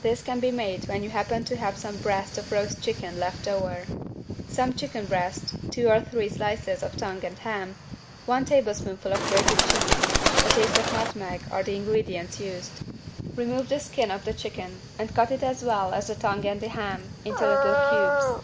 This can be made when you happen to have some breast of roast chicken left over. Some chicken breast, two or three slices of tongue and ham, one tablespoonful of grated cheese, a taste of nutmeg, are the ingredients used. Remove the skin of the chicken and cut it as well as the tongue and the ham, into little cubes.